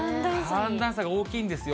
寒暖差が大きいんですよ。